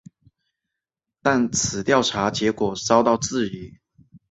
但此调查结果遭到质疑。